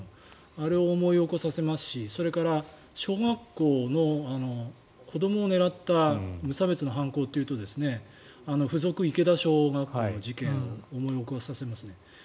あれを思い起こさせますしそれから小学校の子どもを狙った無差別の犯行というと付属池田小学校の事件を思い起こさせますね。